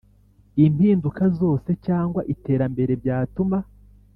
Impinduka zose cyangwa iterambere byatuma